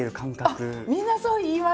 あっみんなそう言いますね。